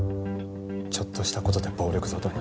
ちょっとしたことで暴力沙汰に。